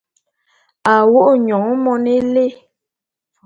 A wo’o nyon mone élé.